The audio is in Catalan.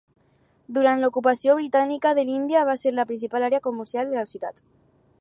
Durant l'ocupació britànica de l'Índia, va ser la principal àrea comercial de la ciutat.